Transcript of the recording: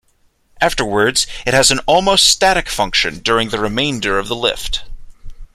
Afterwards it has an almost static function during the remainder of the lift.